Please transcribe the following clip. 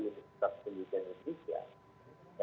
universitas pendidikan indonesia